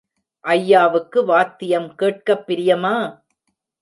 ஐயாவுக்கு வாத்தியம் கேட்கப் பிரியமா?